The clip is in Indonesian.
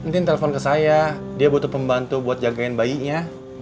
mungkin telepon ke saya dia butuh pembantu buat jagain bayinya